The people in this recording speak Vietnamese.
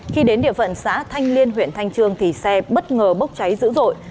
khi đến địa phận xã thanh liên huyện thanh trương thì xe bất ngờ bốc cháy dữ dội